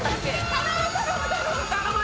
頼む頼む頼む！